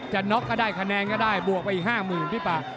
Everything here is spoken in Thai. น็อกก็ได้คะแนนก็ได้บวกไปอีก๕๐๐๐พี่ป่า